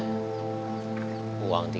sampai jumpa lagi